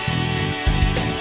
saya yang menang